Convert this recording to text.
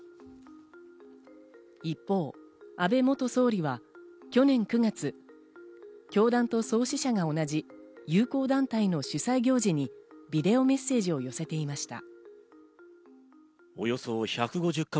一方、安倍元総理は去年９月、教団と創始者が同じ友好団体の主催行事にビデオメッセージを寄せていました。